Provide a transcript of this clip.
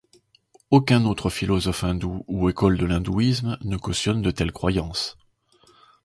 Aucun autre philosophe hindou ou école de l'hindouisme ne cautionnent de telles croyances.